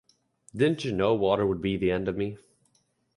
Didn't you know water would be the end of me?